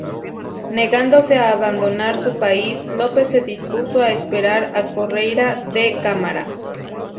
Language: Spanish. Negándose a abandonar su país, López se dispuso a esperar a Correia da Câmara.